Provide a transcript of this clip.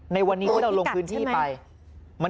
ที่กัดใช่มั้ย